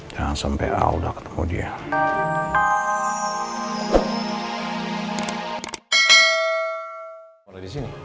jangan sampai aulah ketemu dia